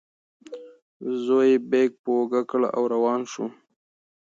زوی یې بیک په اوږه کړ او روان شو.